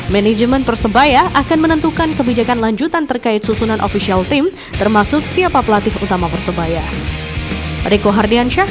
manajemen persebaya akan menentukan kebijakan lanjutan terkait susunan ofisial tim termasuk siapa pelatih utama persebaya